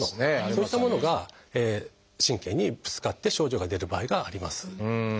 そういったものが神経にぶつかって症状が出る場合があります。